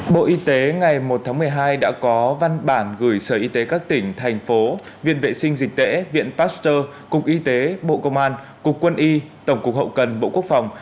bộ y tế ngày một tháng một mươi hai đã có văn bản gửi sở y tế các tỉnh thành phố viện vệ sinh dịch tễ viện pasteur cục y tế bộ công an cục quân y tổng cục hậu cần bộ quốc phòng